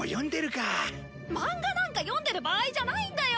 漫画なんか読んでる場合じゃないんだよ！